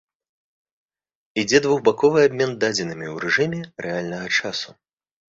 Ідзе двухбаковы абмен дадзенымі ў рэжыме рэальнага часу.